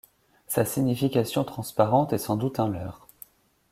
Sa signification transparente est sans doute un leurre.